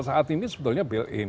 saat ini sebetulnya build in